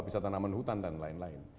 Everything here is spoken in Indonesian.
bisa tanaman hutan dan lain lain